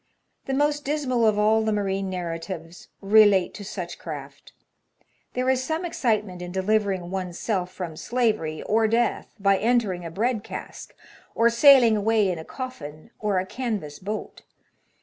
The most dismal of all the marine narratives relate to such craft. There is some excitement in delivering one's self from slavery or death by entering a bread cask, or sailing away in a coffin, or a canvas boat.